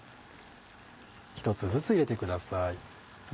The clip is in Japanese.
１つずつ入れてください。